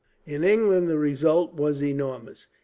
In England the result was enormous.